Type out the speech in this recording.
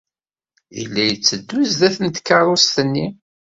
Yella yetteddu sdat tkeṛṛust-nni.